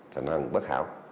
thành phần bất hảo